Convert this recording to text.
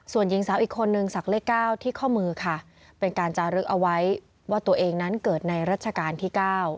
ส่วนหญิงสาวอีกคนนึงสักเลข๙ที่ข้อมือค่ะเป็นการจารึกเอาไว้ว่าตัวเองนั้นเกิดในรัชกาลที่๙